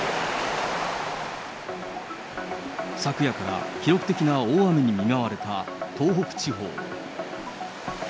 昨夜から記録的な大雨に見舞われた東北地方。